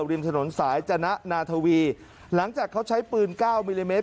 ริมถนนสายจนะนาธวีหลังจากเขาใช้ปืนเก้ามิลลิเมตร